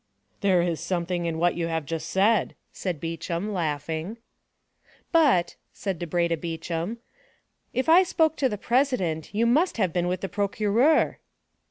"There is something in what you have just said," said Beauchamp, laughing. "But," said Debray to Beauchamp, "if I spoke to the president, you must have been with the procureur."